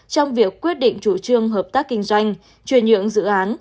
trong việc quyết định chủ trương hợp tác kinh doanh chuyển nhượng dự án